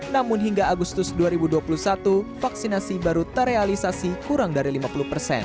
namun hingga agustus dua ribu dua puluh satu vaksinasi baru terrealisasi kurang dari lima puluh persen